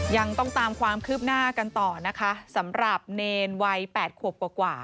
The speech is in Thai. ยังต้องตามความคืบหน้ากันต่อนะคะสำหรับเนรวัย๘ขวบกว่า